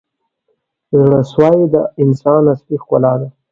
• زړه سوی د انسان اصلي ښکلا ده.